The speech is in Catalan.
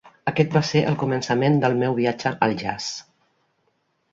Aquest va ser el començament del meu viatge al jazz.